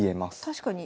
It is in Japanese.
確かに。